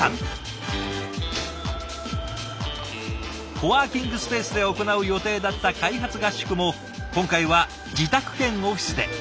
コワーキングスペースで行う予定だった開発合宿も今回は自宅兼オフィスで。